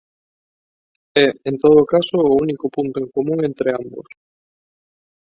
É, en todo caso, o único punto en común entre ambos.